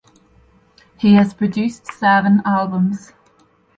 He has produced seven albums.